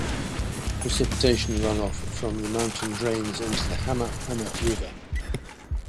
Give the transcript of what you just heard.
Precipitation runoff from the mountain drains into the Hamma Hamma River.